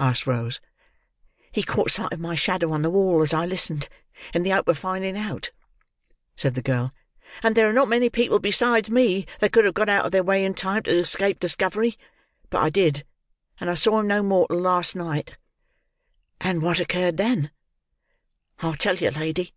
asked Rose. "He caught sight of my shadow on the wall as I listened, in the hope of finding out," said the girl; "and there are not many people besides me that could have got out of their way in time to escape discovery. But I did; and I saw him no more till last night." "And what occurred then?" "I'll tell you, lady.